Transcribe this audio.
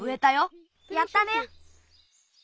やったね！